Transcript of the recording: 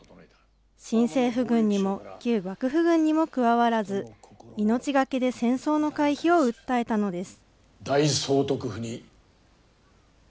新政府軍にも旧幕府軍にも加わらず、命懸けで戦争の回避を訴えたのです。